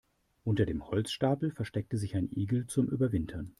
Unter dem Holzstapel versteckte sich ein Igel zum Überwintern.